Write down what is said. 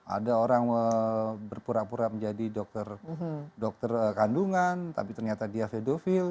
ada orang berpura pura menjadi dokter kandungan tapi ternyata dia fedofil